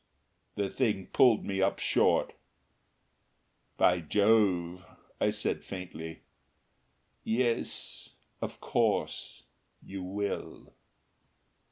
The thing pulled me up short. "By Jove!" I said faintly. "Yes. Of course you will."